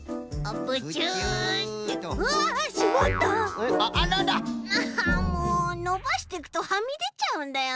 ああもうのばしていくとはみでちゃうんだよな。